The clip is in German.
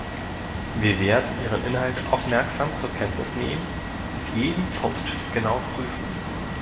Wir werden ihren Inhalt aufmerksam zur Kenntnis nehmen und jeden Punkt genau prüfen.